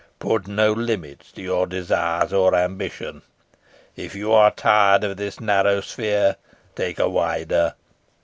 Put no limits to your desires or ambition. If you are tired of this narrow sphere, take a wider.